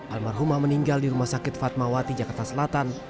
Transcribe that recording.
almarhumah meninggal di rumah sakit fatmawati jakarta selatan